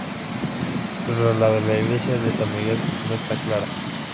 Pero la de la Iglesia de San Miguel no está clara.